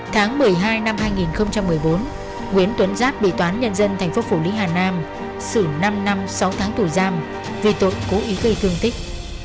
tháng một mươi hai năm hai nghìn một mươi bốn nguyễn tuấn giáp bị toán nhân dân tp phủ lý hà nam xử năm năm sáu tháng tù giam về tội cố ý gây thương tích